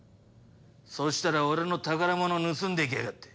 そしたら俺の宝物盗んでいきやがって。